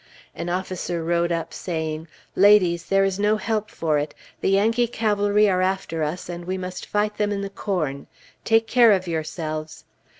An officer rode up saying, "Ladies, there is no help for it! The Yankee cavalry are after us, and we must fight them in the corn. Take care of yourselves!"